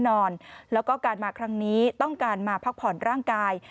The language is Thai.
นอนแล้วก็การมาครั้งนี้ต้องการมาพักผ่อนร่างกาย